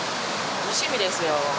楽しみですよ